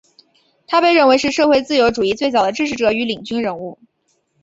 他被认为是社会自由主义最早的支持者与领军人物。